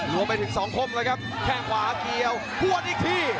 รวมไปถึงสองคมเลยครับแข้งขวาเกี่ยวหัวอีกที